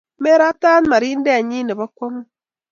Meretat marindet nyi ne po kwong'ut.